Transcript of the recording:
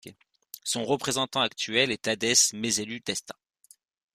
Son représentant actuel est Tadesse Meselu Desta.